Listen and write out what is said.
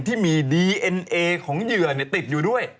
ที่มีดีเอ็นเอของเหยื่อติดอยู่ด้วย